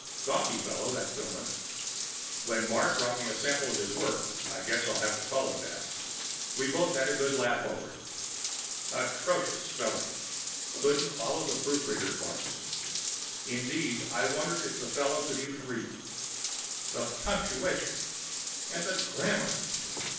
Gawky fellow that Kilmer. When Bard brought me a sample of his work I guess I'll have to call it that we both had a good laugh over it! Atrocious spelling! Couldn't follow the proofreader's marks. Indeed, I wonder if the fellow could even read! The punctuation! And the grammar!